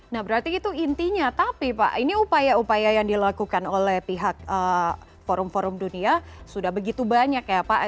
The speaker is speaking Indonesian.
nah berarti itu intinya tapi pak ini upaya upaya yang dilakukan oleh pihak forum forum dunia sudah begitu banyak ya pak